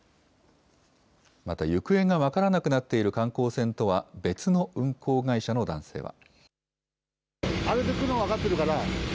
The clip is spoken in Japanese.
また、行方が分からなくなっている観光船とは別の運航会社の男性は。